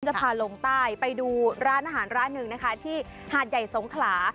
จะพาลงใต้ไปดูร้านอาหารร้านหนึ่งนะคะที่หาดใหญ่สงขลา